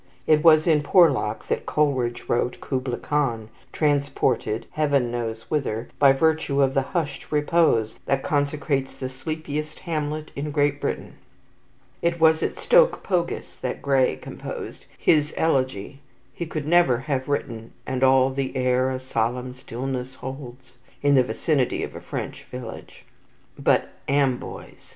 It was in Porlock that Coleridge wrote "Kubla Khan," transported, Heaven knows whither, by virtue of the hushed repose that consecrates the sleepiest hamlet in Great Britain. It was at Stoke Pogis that Gray composed his "Elegy." He could never have written "And all the air a solemn stillness holds," in the vicinity of a French village. But Amboise!